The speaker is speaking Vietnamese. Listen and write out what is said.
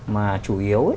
mà chủ yếu